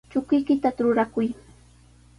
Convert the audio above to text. Chukuykita trurakuy.